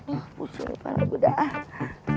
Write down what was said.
eh pusul kepala budak